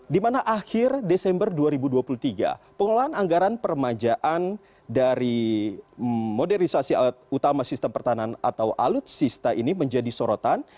dimana akhir desember dua ribu dua puluh tiga pengelolaan anggaran permajaan dari modernisasi alat utama sistem pertahanan atau alutsista ini menjadi sorotan